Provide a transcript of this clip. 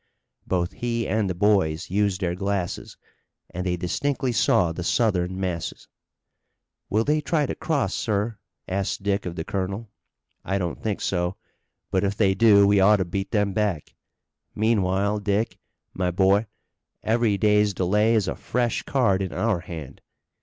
Both he and the boys used their glasses and they distinctly saw the Southern masses. "Will they try to cross, sir?" asked Dick of the colonel. "I don't think so, but if they do we ought to beat them back. Meanwhile, Dick, my boy, every day's delay is a fresh card in our hand.